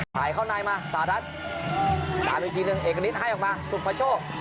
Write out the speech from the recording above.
ถ่ายเข้าในมาสหรัฐตามอีกทีหนึ่งเอกณิตให้ออกมาสุประโชค